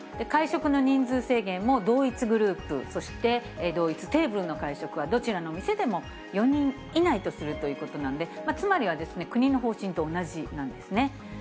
会食の人数制限も同一グループ、そして同一テーブルの会食は、どちらの店でも４人以内とするということなんで、つまりは、国の方針と同じなんですね。